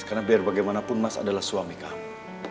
karena biar bagaimanapun mas adalah suami kamu